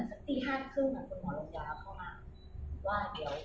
เดียว๖โมงก็คือรู้เรื่อง